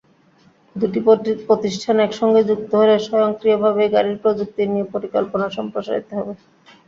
দুটি প্রতিষ্ঠান একসঙ্গে যুক্ত হলে স্বয়ংক্রিয়ভাবেই গাড়ির প্রযুক্তি নিয়ে পরিকল্পনা সম্প্রসারিত হবে।